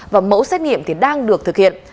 và mẫu xét nghiệm đang được thực hiện